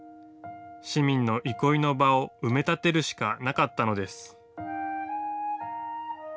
市民の憩いの場を埋め立てるしかなかったのです。